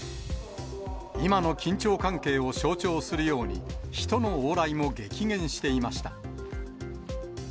今の緊張関係を象徴するように、人の往来も激減していました。